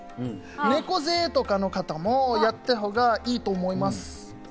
猫背の方はやったほうがいいと思います。